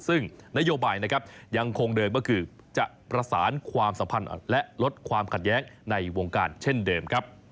ซึ่งนโยบายนะครับยังคงเดิมก็คือจะประสานความสัมพันธ์และลดความขัดแย้งในวงการเช่นเดิมครับ